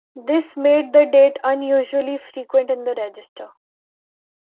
This made the date unusually frequent in the register.